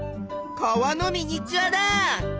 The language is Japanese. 川のミニチュアだ！